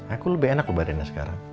aku lebih enak loh badannya sekarang